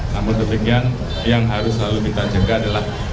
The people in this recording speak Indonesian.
namun demikian yang harus selalu kita jaga adalah